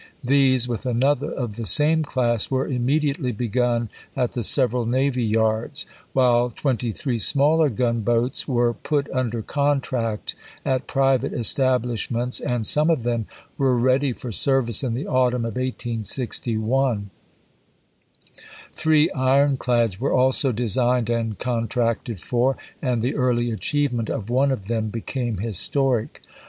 These, with another of the same class, were immediately begun at the several navy yards; while twenty three smaller gunboats were put under contract at private establishments, and some of them were ready for service in the autumn of 1861. Three ironclads were also designed and contracted for, and the early achievement of one of them became historic.